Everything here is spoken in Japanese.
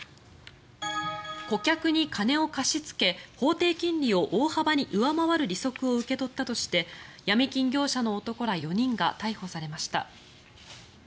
顧客に金を貸しつけ法定金利を大幅に上回る利息を受け取ったとしてヤミ金業者の男ら４人が逮捕されました。